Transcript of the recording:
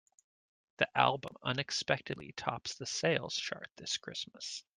The album unexpectedly tops the sales chart this Christmas.